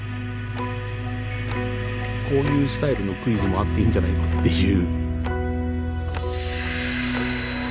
こういうスタイルのクイズもあっていいんじゃないのっていう。